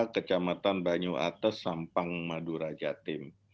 kecamatan banyu atas sampang madura jatim